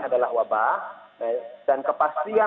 kita berharap di situasi yang memang tidak menentu seperti sebelumnya